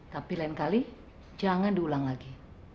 tapi lain kali jangan diulang lagi